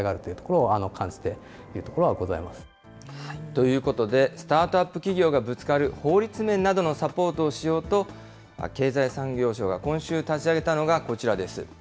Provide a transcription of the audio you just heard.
ということで、スタートアップ企業がぶつかる法律面などのサポートをしようと、経済産業省が今週立ち上げたのがこちらです。